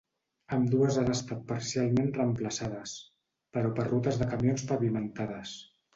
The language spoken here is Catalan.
Ambdues han estat parcialment reemplaçades, però per rutes de camions pavimentades.